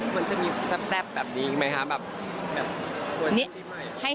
ควรจะมีแซ่บแบบนี้ไหมคะแบบควรที่ใหม่